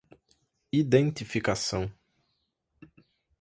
identificação